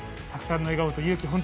たくさんの笑顔と勇気